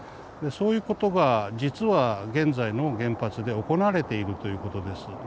そういうことが実は現在の原発で行われているということです。